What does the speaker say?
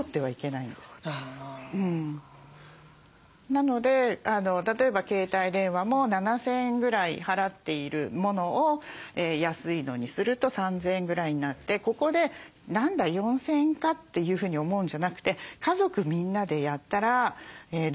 なので例えば携帯電話も７，０００円ぐらい払っているものを安いのにすると３，０００円ぐらいになってここで「何だ４，０００円か」というふうに思うんじゃなくて家族みんなでやったらどうなるんだろうって。